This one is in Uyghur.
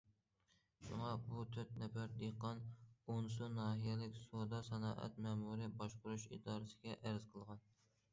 شۇڭا بۇ تۆت نەپەر دېھقان ئونسۇ ناھىيەلىك سودا- سانائەت مەمۇرىي باشقۇرۇش ئىدارىسىگە ئەرز قىلغان.